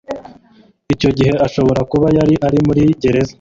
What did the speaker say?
icyo gihe ashobora kuba yari ari muri gereza,